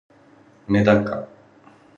めだか